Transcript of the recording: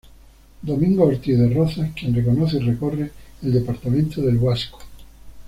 Domingo Ortiz de Rozas, quien reconoce y recorre el departamento del Huasco.